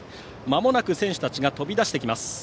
まもなく選手たちが飛び出してきます